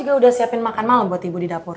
ibu udah siapin makan malem buat ibu di dapur